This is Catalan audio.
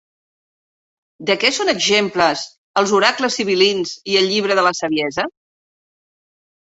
De què són exemples Els Oracles sibil·lins i el Llibre de la Saviesa?